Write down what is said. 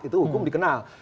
itu hukum dikenal